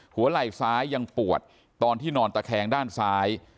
หัวไหล่ซ้ายยังปวดตอนที่นอนตะแคงด้านซ้าย